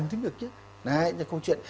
đấy là câu chuyện